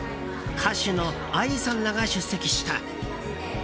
歌手のＡＩさんらが出席した。